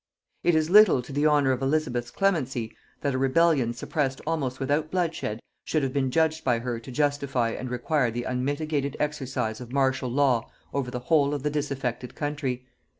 It is little to the honor of Elizabeth's clemency, that a rebellion suppressed almost without bloodshed should have been judged by her to justify and require the unmitigated exercise of martial law over the whole of the disaffected country.